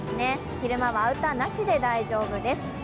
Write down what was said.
昼間はアウターなしで大丈夫です。